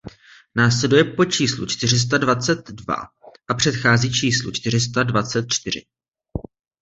Následuje po číslu čtyři sta dvacet dva a předchází číslu čtyři sta dvacet čtyři.